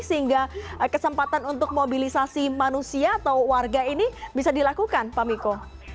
sehingga kesempatan untuk mobilisasi manusia atau warga ini bisa dilakukan pak miko